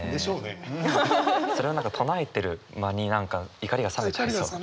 それを何か唱えてる間に何か怒りが冷めちゃいそう。